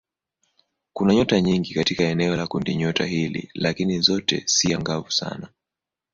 Kuna nyota nyingi katika eneo la kundinyota hili lakini zote si angavu sana.